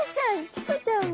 チコちゃんも。